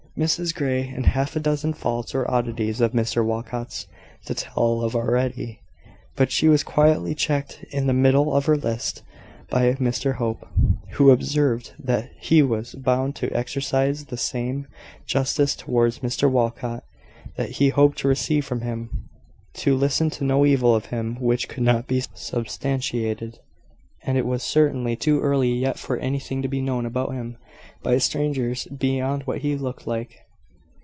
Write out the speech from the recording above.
Mrs Grey had half a dozen faults or oddities of Mr Walcot's to tell of already; but she was quietly checked in the middle of her list by Mr Hope, who observed that he was bound to exercise the same justice towards Mr Walcot that he hoped to receive from him to listen to no evil of him which could not be substantiated: and it was certainly too early yet for anything to be known about him by strangers, beyond what he looked like.